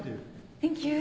センキュー。